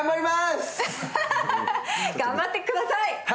頑張ってください！